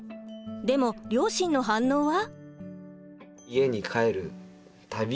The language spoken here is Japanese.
でも両親の反応は？